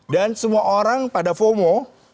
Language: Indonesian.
dan semua orang pada fomo